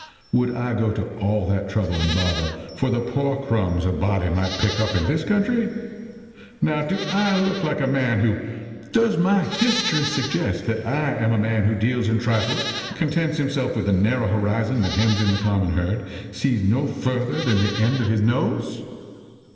Would I go to all that trouble and bother for the poor crumbs a body might pick up in this country? Now do I look like a man who does my history suggest that I am a man who deals in trifles, contents himself with the narrow horizon that hems in the common herd, sees no further than the end of his nose?